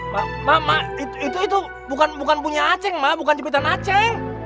mak mak mak itu itu bukan punya a ceng mak bukan jepitan a ceng